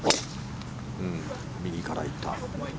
右から行った。